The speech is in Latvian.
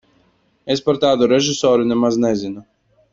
Es par tādu režisoru nemaz nezinu.